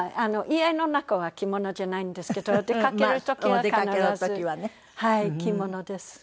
家の中は着物じゃないんですけど出かける時は必ず着物です。